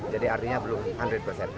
jadi artinya belum seratus persen